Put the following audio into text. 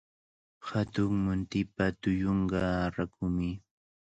Hatun muntipa tullunqa rakumi.